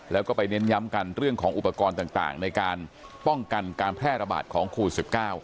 แล้วก็ไปเน้นย้ำกันเรื่องของอุปกรณ์ต่างในการป้องกันการแพร่ระบาดของโควิด๑๙